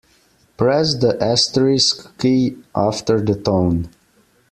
Press the asterisk key after the tone.